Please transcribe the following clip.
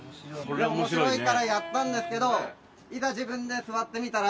面白いからやったんですけど。